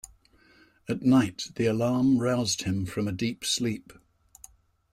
At night the alarm roused him from a deep sleep.